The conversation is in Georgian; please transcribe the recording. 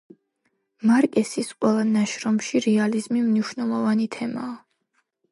მარკესის ყველა ნაშრომში რეალიზმი მნიშვნელოვანი თემაა.